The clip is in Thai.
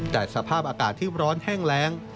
แต่สภาพอากาศที่ร้อนแห้งแรง